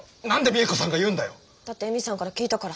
だって恵美さんから聞いたから。